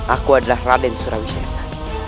aku adalah raden surawisesa